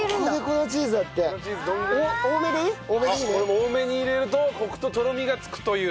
多めに入れるとコクととろみがつくという。